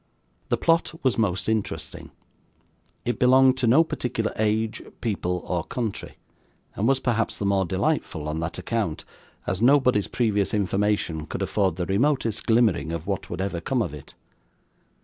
The plot was most interesting. It belonged to no particular age, people, or country, and was perhaps the more delightful on that account, as nobody's previous information could afford the remotest glimmering of what would ever come of it.